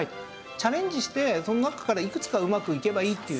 チャレンジしてその中からいくつかうまくいけばいいっていう。